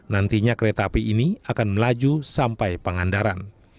nantinya kereta api ini akan melaju sampai pangandaran